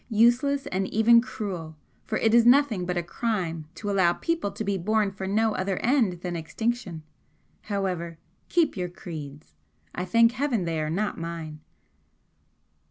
Useless and even cruel, for it is nothing but a crime to allow people to be born for no other end than extinction! However, keep your creeds! I thank Heaven they are not mine!"